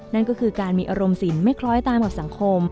นั่นก็คือการมีอารมณ์สินไม่คล้อยตามกับสังคม